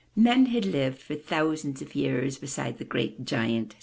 Men had lived for thou sands of years beside that great giant.